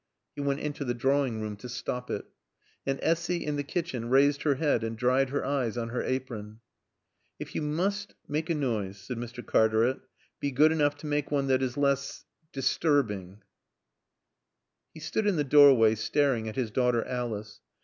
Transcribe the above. He went into the drawing room to stop it. And Essy, in the kitchen, raised her head and dried her eyes on her apron. "If you must make a noise," said Mr. Cartaret, "be good enough to make one that is less disturbing." He stood in the doorway staring at his daughter Alice.